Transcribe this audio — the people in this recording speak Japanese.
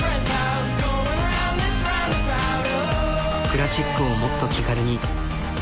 クラシックをもっと気軽に。